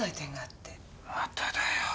まただよ。